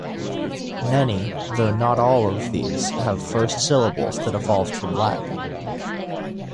Many, though not all of these have first syllables that evolved from Latin.